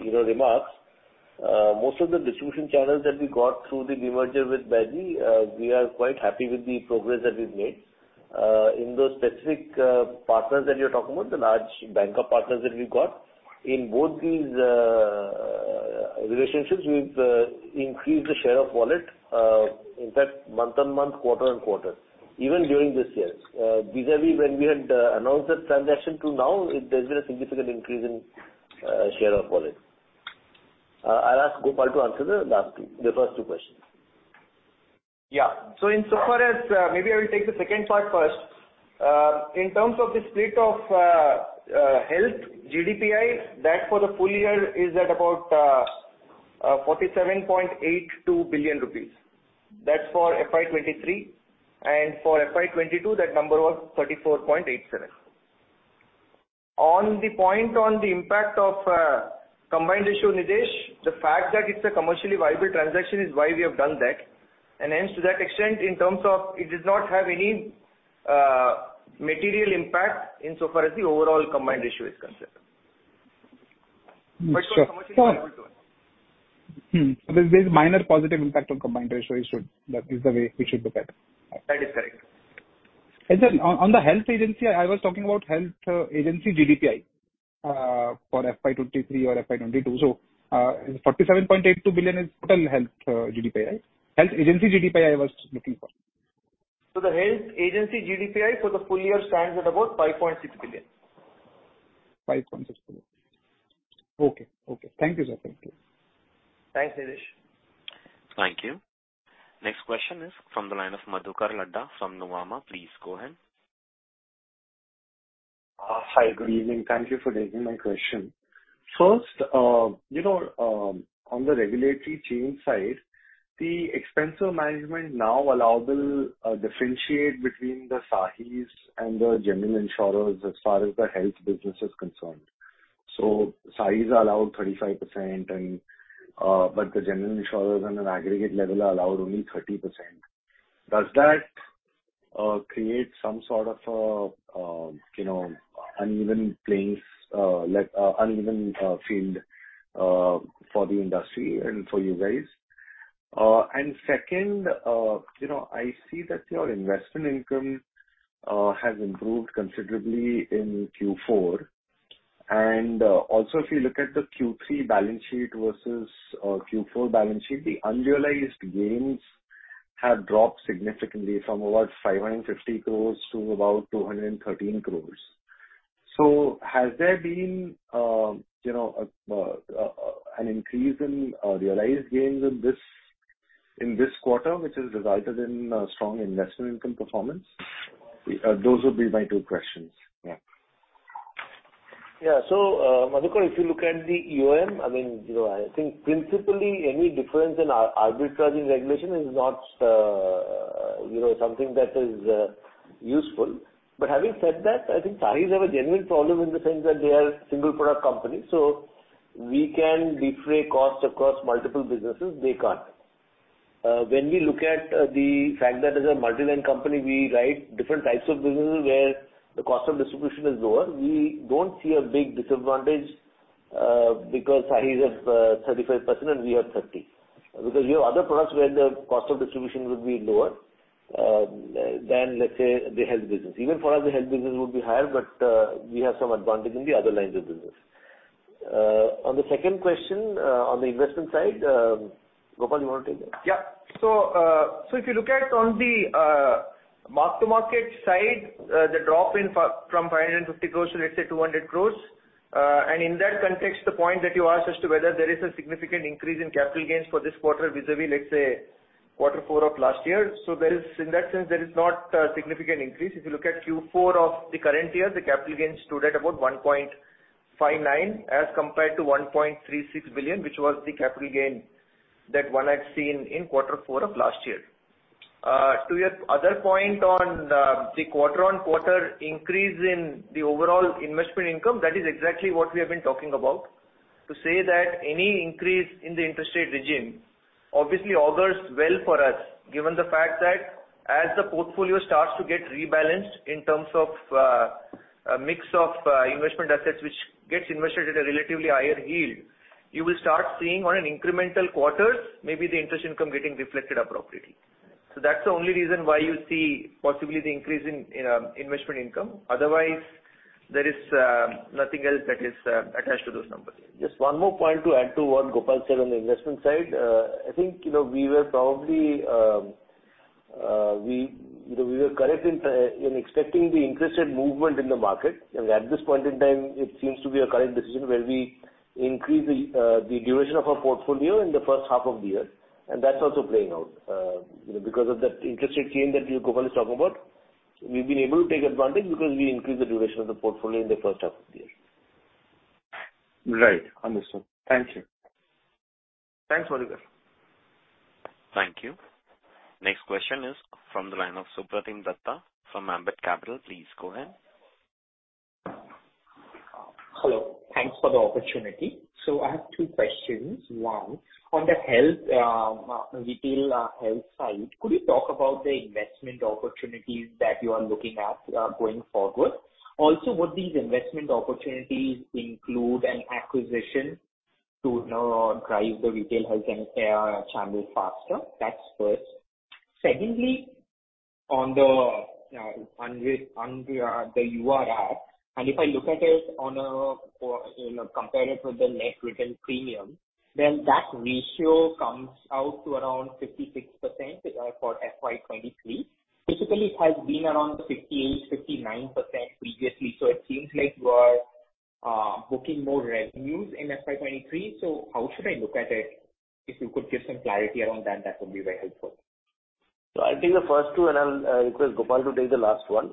you know, remarks. Most of the distribution channels that we got through the demerger with Bharti AXA, we are quite happy with the progress that we've made. In those specific, partners that you're talking about, the large bank of partners that we've got. In both these, relationships, we've increased the share of wallet, in fact, month-on-month, quarter-on-quarter, even during this year. Vis-à-vis when we had announced that transaction till now, it has been a significant increase in share of wallet. I'll ask Gopal to answer the last two... the first two questions. Insofar as, maybe I will take the second part first. In terms of the split of health GDPI, that for the full year is at about 47.82 billion rupees. That's for FY2023. For FY2022, that number was 34.87 billion. On the point on the impact of combined ratio, Nidhesh, the fact that it's a commercially viable transaction is why we have done that. Hence, to that extent, in terms of it does not have any material impact insofar as the overall combined ratio is concerned. Sure. It's commercially viable though. There's minor positive impact on combined ratio you should, that is the way we should look at it. That is correct. Then on the health agency, I was talking about health agency GDPI for FY 2023 or FY 2022. 47.82 billion is total health GDPI. Health agency GDPI, I was looking for. The health agency GDPI for the full year stands at about 5.6 billion. 5.6 billion. Okay. Okay. Thank you, sir. Thank you. Thanks, Nidhesh. Thank you. Next question is from the line of Madhukar Ladha from Nuvama. Please go ahead. Hi, good evening. Thank you for taking my question. First, you know, on the regulatory change side, the Expenses of Management now allowable differentiate between the SAHIs and the general insurers as far as the health business is concerned. SAHIs are allowed 35% and, but the general insurers on an aggregate level are allowed only 30%. Does that create some sort of, you know, uneven playing uneven field for the industry and for you guys? Second, you know, I see that your investment income has improved considerably in Q4. Also if you look at the Q3 balance sheet versus Q4 balance sheet, the unrealized gains have dropped significantly from about 550 crores to about 213 crores. Has there been, you know, an increase in realized gains in this quarter, which has resulted in a strong investment income performance? Those would be my two questions. Yeah. Yeah. Madhukar, if you look at the EOM, I mean, you know, I think principally any difference in arbitraging regulation is not, you know, something that is useful. Having said that, I think SAHIs have a genuine problem in the sense that they are single product company. We can defray costs across multiple businesses, they can't. When we look at the fact that as a multi-line company, we write different types of businesses where the cost of distribution is lower, we don't see a big disadvantage because SAHIs have 35% and we have 30%. We have other products where the cost of distribution would be lower than let's say the health business. Even for us, the health business would be higher, we have some advantage in the other lines of business. On the second question, on the investment side, Gopal, you wanna take that? Yeah. If you look at on the mark-to-market side, the drop in from 550 crores to let's say 200 crores. In that context, the point that you asked as to whether there is a significant increase in capital gains for this quarter vis-à-vis, let's say, quarter four of last year. There is, in that sense, there is not a significant increase. If you look at Q4 of the current year, the capital gains stood at about 1.59 as compared to 1.36 billion, which was the capital gain that one had seen in quarter four of last year. To your other point on the quarter-on-quarter increase in the overall investment income, that is exactly what we have been talking about. To say that any increase in the interest rate regime obviously augurs well for us, given the fact that as the portfolio starts to get rebalanced in terms of a mix of investment assets which gets invested at a relatively higher yield, you will start seeing on an incremental quarters, maybe the interest income getting reflected appropriately. That's the only reason why you see possibly the increase in investment income. Otherwise, there is nothing else that is attached to those numbers. Just one more point to add to what Gopal said on the investment side. I think, you know, we were probably, we, you know, we were correct in expecting the interest rate movement in the market. At this point in time, it seems to be a correct decision where we increase the duration of our portfolio in the first half of the year. That's also playing out. You know, because of that interest rate change that Gopal is talking about, we've been able to take advantage because we increased the duration of the portfolio in the first half of the year. Right. Understood. Thank you. Thanks, Madhukar. Thank you. Next question is from the line of Supratim Datta from Ambit Capital. Please go ahead. Hello. Thanks for the opportunity. I have two questions. One, on the health retail health side, could you talk about the investment opportunities that you are looking at going forward? Also, would these investment opportunities include an acquisition to, you know, drive the retail health and care channel faster? That's first. Secondly, on the URR, and if I look at it or, you know, compare it with the Net Written Premium, then that ratio comes out to around 56% for FY2023. Typically, it has been around 58%, 59% previously. It seems like you are booking more revenues in FY2023. How should I look at it? If you could give some clarity around that would be very helpful. I'll take the first two, and I'll request Gopal to take the last one.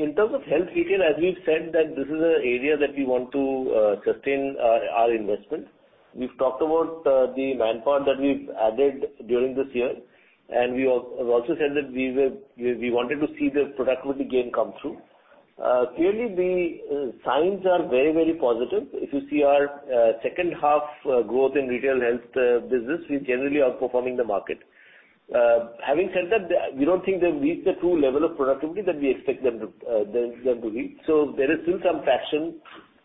In terms of health retail, as we've said that this is a area that we want to sustain our investment. We've talked about the manpower that we've added during this year, and we have also said that we wanted to see the productivity gain come through. Clearly the signs are very, very positive. If you see our second half growth in retail health business, we generally are performing the market. Having said that, we don't think they've reached the true level of productivity that we expect them to reach. There is still some traction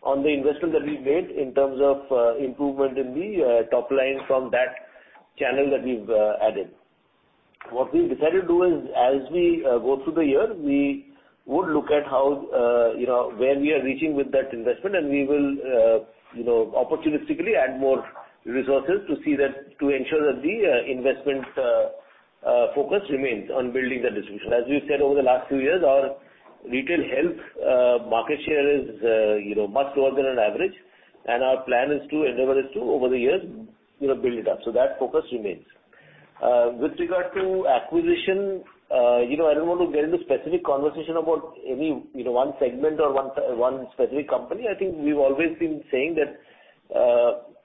on the investment that we've made in terms of improvement in the top line from that channel that we've added. What we've decided to do is, as we go through the year, we would look at how, you know, where we are reaching with that investment and we will, you know, opportunistically add more resources to ensure that the investment focus remains on building the distribution. As we've said over the last few years, our retail health market share is, you know, much lower than an average, and our endeavor is to, over the years, you know, build it up. That focus remains. With regard to acquisition, you know, I don't want to get into specific conversation about any, you know, one segment or one specific company. I think we've always been saying that,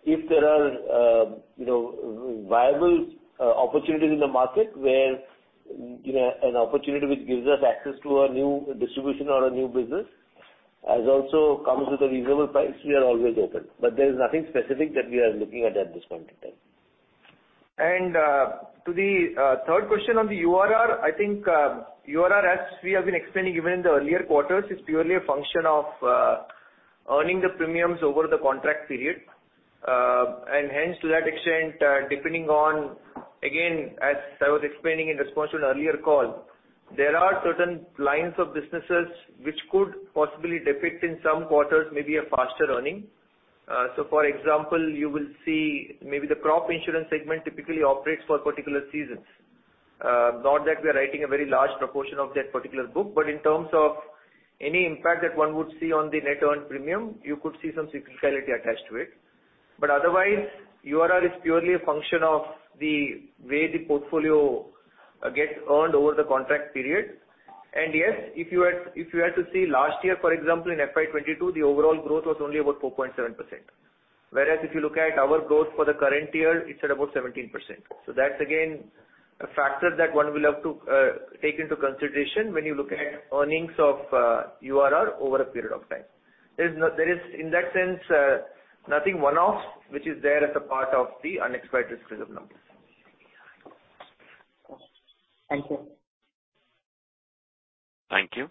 if there are, you know, viable opportunities in the market where, you know, an opportunity which gives us access to a new distribution or a new business, as also comes with a reasonable price, we are always open. There is nothing specific that we are looking at this point in time. To the third question on the URR, I think URR, as we have been explaining even in the earlier quarters, is purely a function of earning the premiums over the contract period. And hence, to that extent, depending on, again, as I was explaining in response to an earlier call, there are certain lines of businesses which could possibly depict in some quarters maybe a faster earning. So for example, you will see maybe the crop insurance segment typically operates for particular seasons. Not that we are writing a very large proportion of that particular book, but in terms of any impact that one would see on the net earned premium, you could see some cyclicality attached to it. Otherwise, URR is purely a function of the way the portfolio get earned over the contract period. Yes, if you had to see last year, for example, in FY 2022, the overall growth was only about 4.7%. If you look at our growth for the current year, it's at about 17%. That's again a factor that one will have to take into consideration when you look at earnings of URR over a period of time. There is, in that sense, nothing one-off which is there as a part of the unexpired risk reserve numbers. Thank you. Thank you.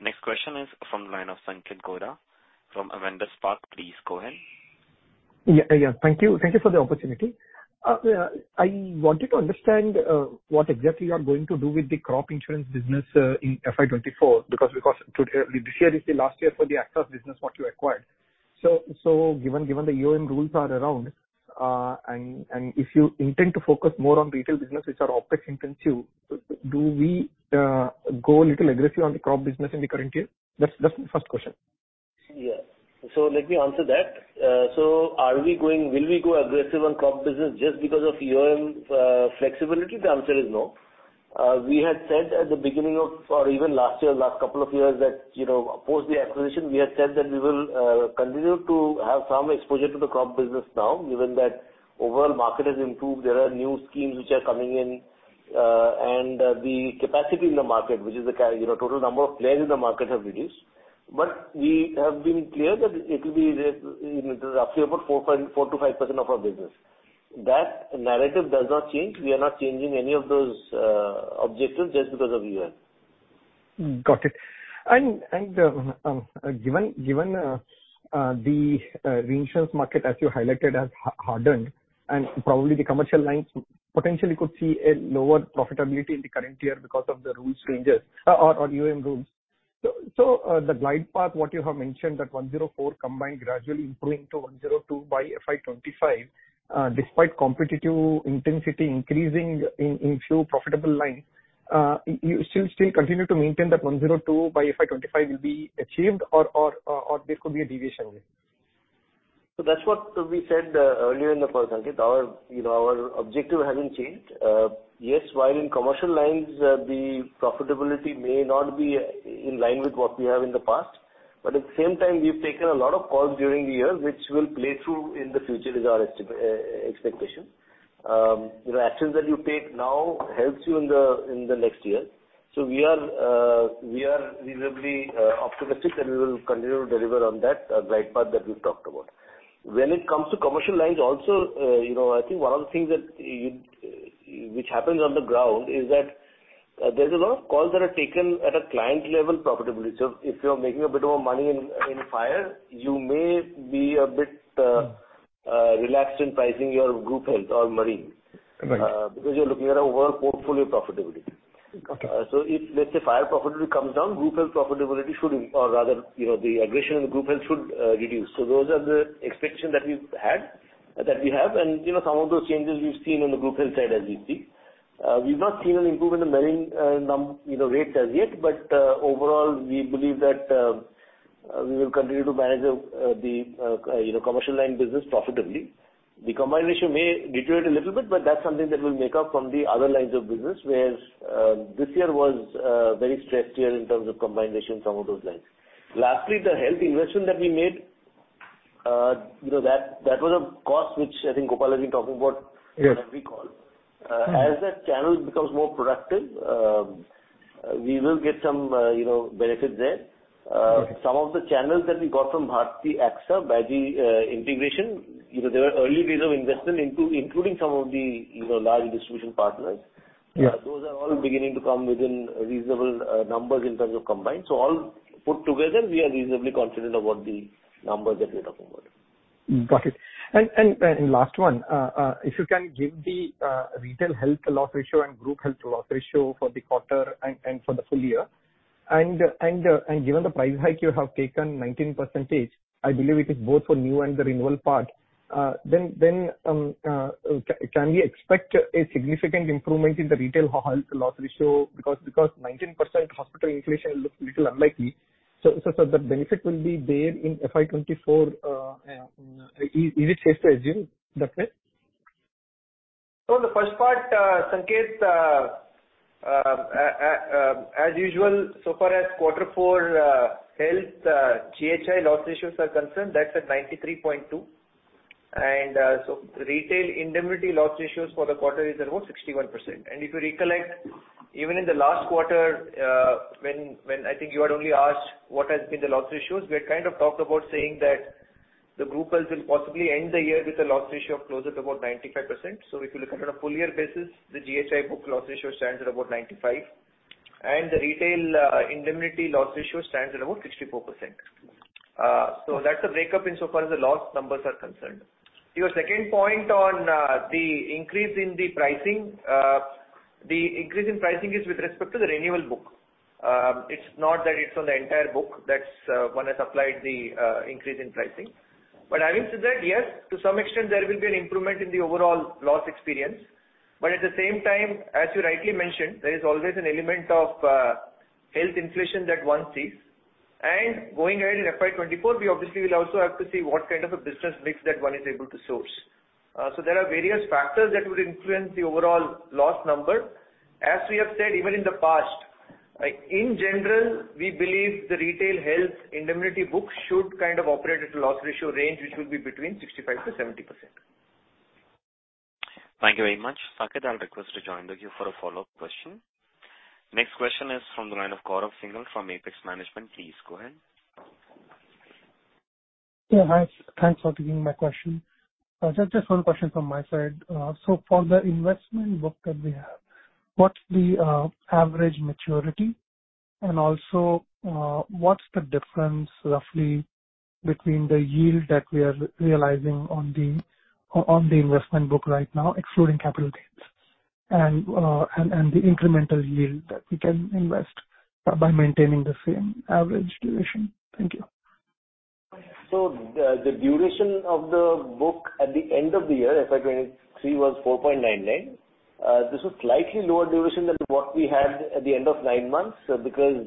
Next question is from the line of Sanketh Godha from Avendus Spark. Please go ahead. Yeah, yeah. Thank you. Thank you for the opportunity. I wanted to understand what exactly you are going to do with the crop insurance business in FY 2024 because this year is the last year for the AXA business what you acquired. Given the URR rules are around, and if you intend to focus more on retail business which are OpEx intensive, do we go a little aggressive on the crop business in the current year? That's the first question. Yeah. Let me answer that. Will we go aggressive on crop business just because of UM flexibility? The answer is no. We had said at the beginning of or even last year, last couple of years that, you know, post the acquisition, we had said that we will continue to have some exposure to the crop business now, given that overall market has improved. There are new schemes which are coming in, and the capacity in the market, which is the, you know, total number of players in the market have reduced. We have been clear that it will be, you know, roughly about 4%-5% of our business. That narrative does not change. We are not changing any of those objectives just because of UM. Got it. Given the reinsurance market as you highlighted has hardened and probably the commercial lines potentially could see a lower profitability in the current year because of the rules changes or UM rules. The glide path, what you have mentioned that 104 combined gradually improving to 102 by FY2025, despite competitive intensity increasing in few profitable lines, you still continue to maintain that 102 by FY2025 will be achieved or there could be a deviation here? That's what we said earlier in the call, Sanketh. Our, you know, our objective hasn't changed. Yes, while in commercial lines, the profitability may not be in line with what we have in the past, but at the same time, we've taken a lot of calls during the year, which will play through in the future is our expectation. You know, actions that you take now helps you in the, in the next year. We are reasonably optimistic that we will continue to deliver on that glide path that we've talked about. When it comes to commercial lines also, you know, I think one of the things that which happens on the ground is that there is a lot of calls that are taken at a client level profitability. If you're making a bit of money in fire, you may be a bit relaxed in pricing your group health or marine. Correct. You're looking at overall portfolio profitability. Okay. If, let's say, fire profitability comes down, group health profitability should or rather, you know, the aggression in group health should reduce. Those are the expectations that we've had, that we have. You know, some of those changes we've seen on the group health side as we speak. We've not seen an improvement in marine, you know, rates as yet. Overall, we believe that we will continue to manage the, you know, commercial line business profitably. The combined ratio may deteriorate a little bit, but that's something that we'll make up from the other lines of business, where this year was a very stressed year in terms of combined ratio in some of those lines. Lastly, the health investment that we made, you know, that was a cost which I think Gopal has been talking about. Yes. on every call. As that channel becomes more productive, we will get some, you know, benefit there. Okay. Some of the channels that we got from Bharti AXA by the integration, you know, there were early days of investment into including some of the, you know, large distribution partners. Yeah. Those are all beginning to come within reasonable numbers in terms of combined. All put together, we are reasonably confident about the numbers that we're talking about. Got it. Last one. If you can give the retail health loss ratio and group health loss ratio for the quarter and for the full year. Given the price hike you have taken 19%, I believe it is both for new and the renewal part. Can we expect a significant improvement in the retail health loss ratio because 19% hospital inflation looks a little unlikely. The benefit will be there in FY2024, is it safe to assume that way? The first part, Sanketh, as usual, so far as quarter four health GHI loss ratios are concerned, that's at 93.2. Retail indemnity loss ratios for the quarter is around 61%. If you recollect, even in the last quarter, when I think you had only asked what has been the loss ratios, we had kind of talked about saying that the group health will possibly end the year with a loss ratio of close at about 95%. If you look at it on a full year basis, the GHI book loss ratio stands at about 95, and the retail indemnity loss ratio stands at about 64%. That's the breakup in so far as the loss numbers are concerned. Your second point on the increase in the pricing. The increase in pricing is with respect to the renewal book. It's not that it's on the entire book that one has applied the increase in pricing. Having said that, yes, to some extent there will be an improvement in the overall loss experience. At the same time, as you rightly mentioned, there is always an element of health inflation that one sees. Going ahead in FY2024, we obviously will also have to see what kind of a business mix that one is able to source. There are various factors that would influence the overall loss number. As we have said, even in the past, in general, we believe the retail health indemnity book should kind of operate at a loss ratio range, which will be between 65%-70%. Thank you very much. Sanketh, I'll request you to join the queue for a follow-up question. Next question is from the line of Gaurav Singhal from Aspex Management. Please go ahead. Yeah, hi. Thanks for taking my question. Sir, just one question from my side. For the investment book that we have, what's the average maturity? Also, what's the difference roughly between the yield that we are realizing on the investment book right now, excluding capital gains, and the incremental yield that we can invest by maintaining the same average duration? Thank you. The duration of the book at the end of the year, FY 2023, was 4.99. This was slightly lower duration than what we had at the end of nine months, because,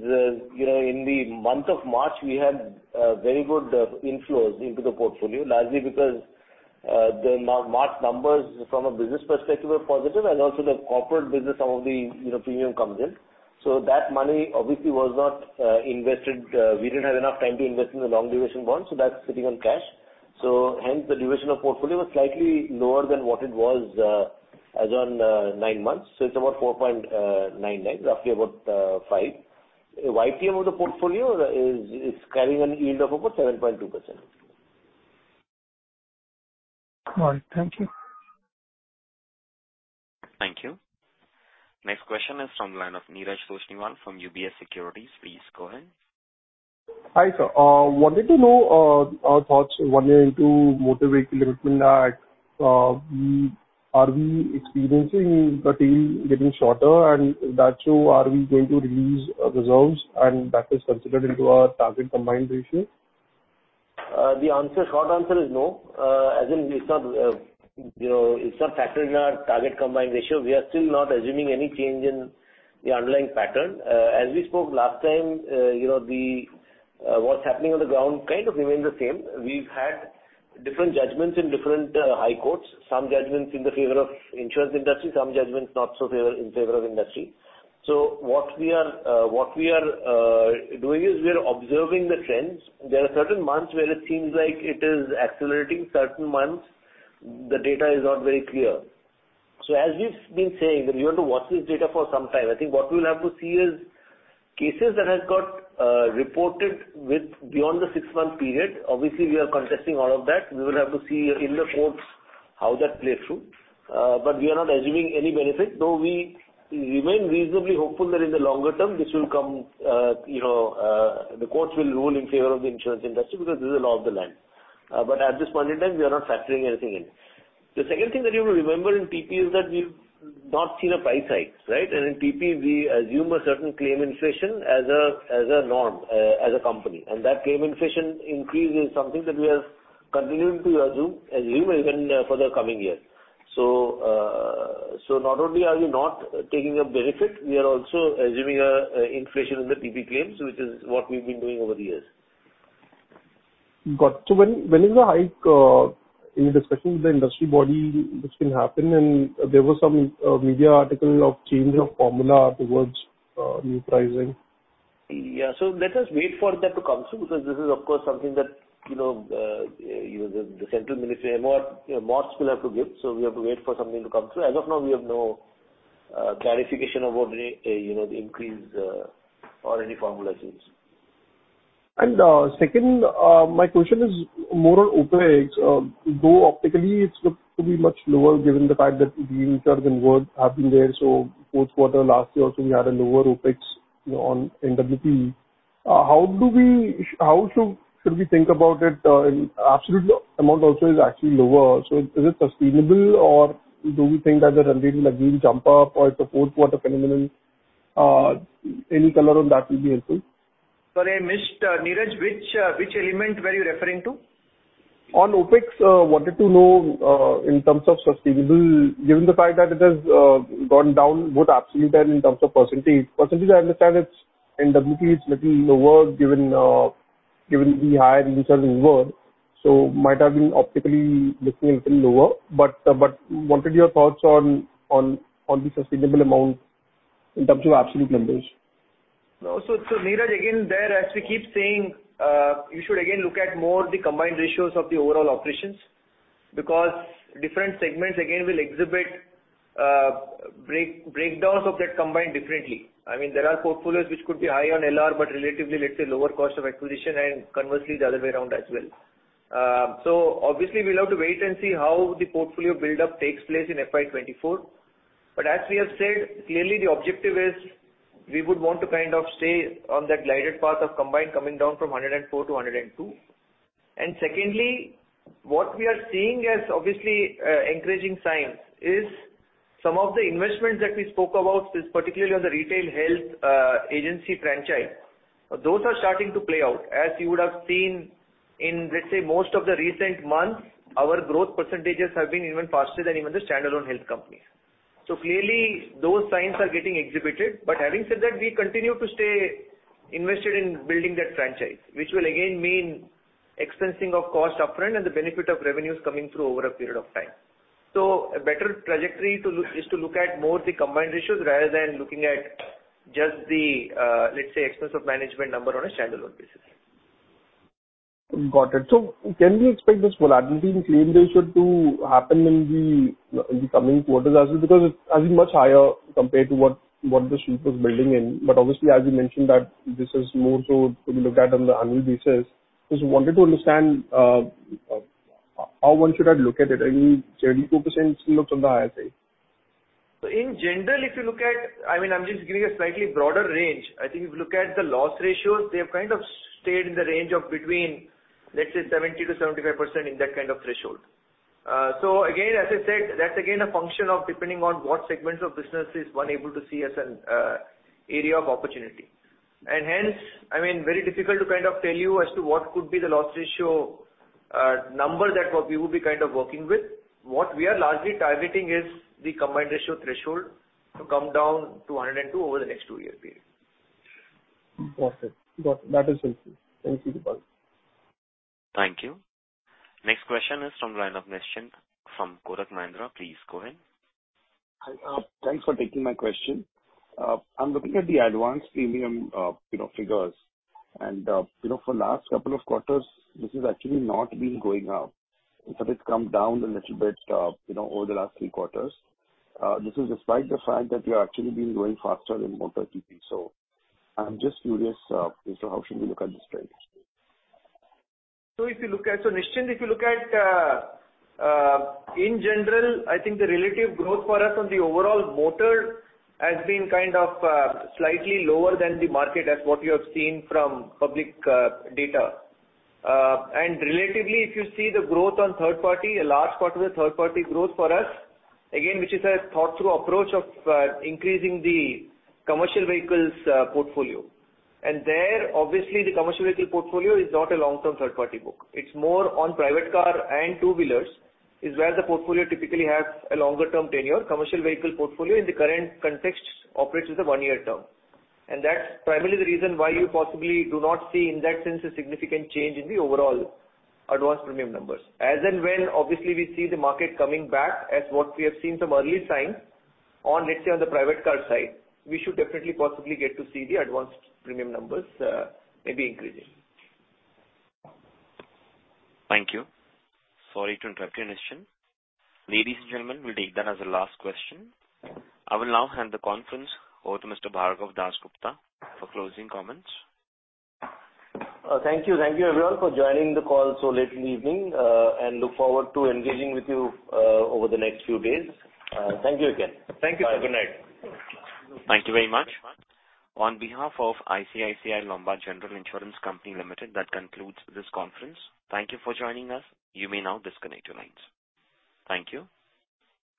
you know, in the month of March, we had very good inflows into the portfolio, largely because the March numbers from a business perspective were positive and also the corporate business, some of the, you know, premium comes in. That money obviously was not invested. We didn't have enough time to invest in the long duration bonds, so that's sitting on cash. Hence the duration of portfolio was slightly lower than what it was as on nine months. It's about 4.99, roughly about five. YTM of the portfolio is carrying an yield of about 7.2%. All right. Thank you. Thank you. Next question is from the line of Neeraj Toshniwal from UBS Securities. Please go ahead. Hi, sir. wanted to know, our thoughts one year into Motor Vehicle Accident Act. are we experiencing the tail getting shorter and that show are we going to release reserves and that is considered into our target combined ratio? The answer, short answer is no. As in it's not, you know, it's not factored in our target combined ratio. We are still not assuming any change in the underlying pattern. As we spoke last time, you know, the, what's happening on the ground kind of remains the same. We've had different judgments in different high courts. Some judgments in the favor of insurance industry, some judgments not so in favor of industry. What we are doing is we are observing the trends. There are certain months where it seems like it is accelerating, certain months the data is not very clear. As we've been saying that we have to watch this data for some time. I think what we'll have to see is cases that have got reported with beyond the six-month period. Obviously, we are contesting all of that. We will have to see in the courts how that plays through. We are not assuming any benefit, though we remain reasonably hopeful that in the longer term this will come, you know, the courts will rule in favor of the insurance industry because this is the law of the land. At this point in time, we are not factring anything in. The second thing that you will remember in PP is that we've not seen a price hike, right? In PP we assume a certain claim inflation as a norm as a company. That claim inflation increase is something that we are continuing to assume even for the coming year. Not only are we not taking a benefit, we are also assuming a inflation in the PP claims, which is what we've been doing over the years. Got you. When is the hike in discussion with the industry body this can happen and there was some media article of change of formula towards new pricing? Yeah. Let us wait for that to come through because this is of course something that, you know, you know, the central ministry, MOF, you know, MOFs will have to give, so we have to wait for something to come through. As of now, we have no clarification about any, you know, the increase, or any formula change. My question is more on OpEx. Though optically it's looked to be much lower given the fact that reinsurers in world have been there, so fourth quarter last year also we had a lower OpEx, you know, on NWP. How should we think about it, in absolute amount also is actually lower. Is it sustainable or do we think that the run rate will again jump up or it's a fourth quarter phenomenon? Any color on that will be helpful. Sorry, I missed, Neeraj. Which element were you referring to? On OpEx, wanted to know in terms of sustainable, given the fact that it has gone down both absolute and in terms of percentage. Percentage I understand it's, NWP is little lower given the higher reinsurers involved, so might have been optically looking a little lower. Wanted your thoughts on the sustainable amount in terms of absolute numbers. No. Neeraj, again, there as we keep saying, you should again look at more the combined ratios of the overall operations because different segments again will exhibit breakdowns of that combined differently. I mean, there are portfolios which could be high on LR, but relatively, let's say, lower cost of acquisition and conversely the other way around as well. Obviously we'll have to wait and see how the portfolio buildup takes place in FY 2024. As we have said, clearly the objective is we would want to kind of stay on that glided path of combined coming down from 104 to 102. Secondly, what we are seeing as obviously, encouraging signs is some of the investments that we spoke about, particularly on the retail health agency franchise, those are starting to play out. As you would have seen in, let's say, most of the recent months, our growth % have been even faster than even the standalone health companies. Clearly those signs are getting exhibited. Having said that, we continue to stay invested in building that franchise, which will again mean expensing of cost upfront and the benefit of revenues coming through over a period of time. A better trajectory is to look at more the combined ratios rather than looking at just the, let's say, Expenses of Management number on a standalone basis. Got it. Can we expect this volatility in claim ratio to happen in the coming quarters as well? Because it's, I think, much higher compared to what the street was building in. Obviously as you mentioned that this is more so to be looked at on an annual basis. Just wanted to understand how one should look at it. I mean, 32% looks on the higher side. In general, I mean, I'm just giving a slightly broader range. I think if you look at the loss ratios, they have kind of stayed in the range of between, let's say, 70%-75% in that kind of threshold. Again, as I said, that's again a function of depending on what segments of business is one able to see as an area of opportunity. Hence, I mean, very difficult to kind of tell you as to what could be the loss ratio number that what we would be kind of working with. What we are largely targeting is the combined ratio threshold to come down to 102 over the next two-year period. Got it. That is helpful. Thank you, Gopal. Thank you. Next question is from line of Nischint Chawathe from Kotak Mahindra. Please go ahead. Hi. Thanks for taking my question. I'm looking at the advance premium, you know, figures. You know, for last couple of quarters, this has actually not been going up. In fact, it's come down a little bit, you know, over the last three quarters. This is despite the fact that you have actually been growing faster in motor TP. I'm just curious as to how should we look at this trend. Nischint, if you look at, in general, I think the relative growth for us on the overall motor has been kind of slightly lower than the market as what you have seen from public data. Relatively, if you see the growth on third party, a large part of the third party growth for us, again, which is a thought through approach of increasing the commercial vehicles portfolio. There obviously the commercial vehicle portfolio is not a long-term third party book. It's more on private car and two-wheelers is where the portfolio typically has a longer-term tenure. Commercial vehicle portfolio in the current context operates as a one-year term. That's primarily the reason why you possibly do not see in that sense a significant change in the overall advance premium numbers. As and when obviously we see the market coming back as what we have seen some early signs on, let's say, on the private car side, we should definitely possibly get to see the advance premium numbers, maybe increasing. Thank you. Sorry to interrupt you, Nischint. Ladies and gentlemen, we'll take that as the last question. I will now hand the conference over to Mr. Bhargav Dasgupta for closing comments. Thank you. Thank you everyone for joining the call so late in the evening, and look forward to engaging with you over the next few days. Thank you again. Thank you. Have a good night. Thank you very much. On behalf of ICICI Lombard General Insurance Company Limited, that concludes this conference. Thank you for joining us. You may now disconnect your lines. Thank you.